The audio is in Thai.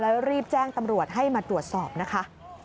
แล้วรีบแจ้งตำรวจให้มาตรวจสอบนะคะ